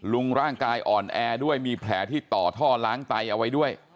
ร่างกายอ่อนแอด้วยมีแผลที่ต่อท่อล้างไตเอาไว้ด้วย